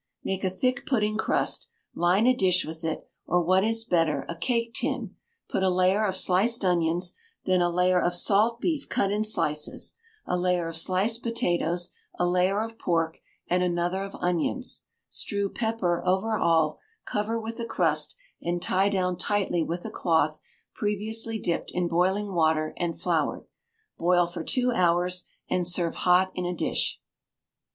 Make a thick pudding crust, line a dish with it, or what is better, a cake tin; put a layer of sliced onions, then a layer of salt beef cut in slices, a layer of sliced potatoes, a layer of pork, and another of onions; strew pepper over all, cover with a crust, and tie down tightly with a cloth previously dipped in boiling water and floured. Boil for two hours, and serve hot in a dish.